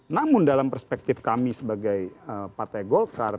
namun dalam perspektif kami sebagai partai golkar